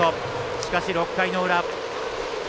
しかし、６回の裏東